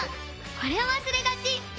これをわすれがち！